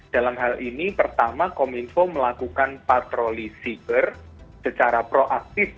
dalam hal ini pertama kominfo melakukan patroli siber secara proaktif